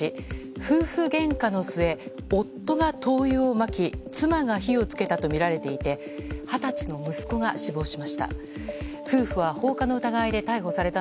夫婦げんかの末、夫が灯油をまき妻が火を付けたとみられていて二十歳の息子が死亡しました。